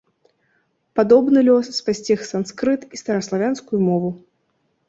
Падобны лёс спасціг санскрыт і стараславянскую мову.